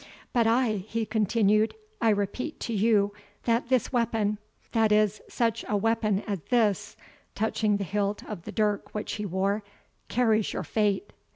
But I," he continued "I repeat to you, that this weapon that is, such a weapon as this," touching the hilt of the dirk which he wore, "carries your fate."